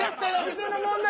店の問題